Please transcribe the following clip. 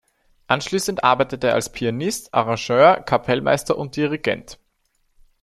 Anschließend arbeitete er als Pianist, Arrangeur, Kapellmeister und Dirigent.